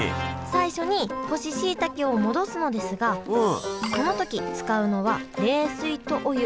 最初に干ししいたけを戻すのですがこの時使うのは冷水とお湯どちらだと思いますか？